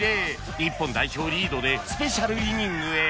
日本代表リードでスペシャルイニングへ